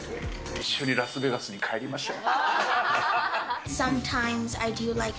一緒にラスベガスに帰りましょう。